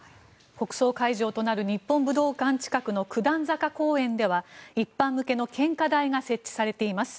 国葬会場となる日本武道館近くの九段坂公園では一般向けの献花台が設置されています。